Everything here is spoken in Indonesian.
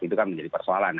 itu kan menjadi persoalan